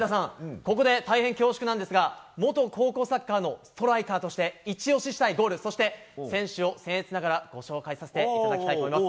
ここで大変恐縮なんですが元高校サッカーのストライカーとして一押ししたいゴールそして選手を僭越ながらご紹介させていただきたいと思います。